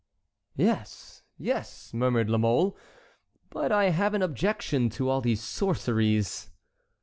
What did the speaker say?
"Yes, yes," muttered La Mole; "but I have an objection to all these sorceries."